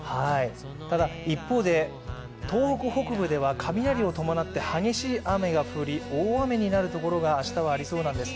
ただ一方で東北北部では雷を伴って激しい雨が降り大雨になるところが明日はありそうなんです。